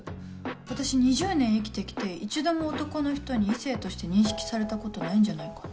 私２０年生きて来て一度も男の人に異性として認識されたことないんじゃないかな。